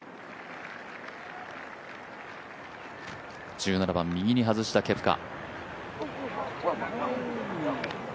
１７番、右に外したケプカ。